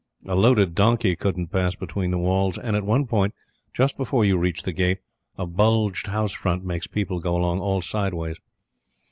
A loaded donkey couldn't pass between the walls; and, at one point, just before you reach the Gate, a bulged house front makes people go along all sideways.